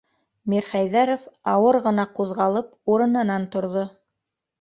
Мирхәйҙәров ауыр ғына ҡуҙғалып урынынан торҙо: